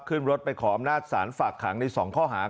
ขึ้นรถไปขออำนาจศาลฝากขังใน๒ข้อหา